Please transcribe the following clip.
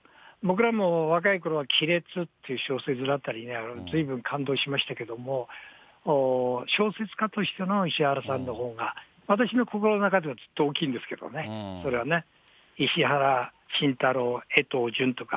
僕らも若いころはきれつという小説だったり、ずいぶん感動しましたけれども、小説家としての石原さんのほうが、私の心の中では、ずっと大きいんですけどね、それはね。